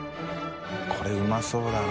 海うまそうだな。